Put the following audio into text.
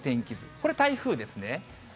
これ、台風ですね。